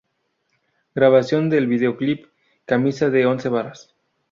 Grabación del Video-Clip "Camisa de once varas".